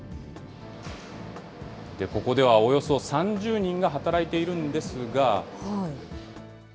ここではおよそ３０人が働いているんですが。